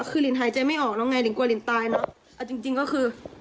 คือลินหายใจไม่ออกแล้วไงลินกลัวลินตายเนอะเอาจริงจริงก็คือ